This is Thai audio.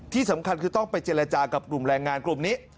ที่สำคัญคือต้องไปเจรจากับกลุ่มแรงงานกลุ่มนี้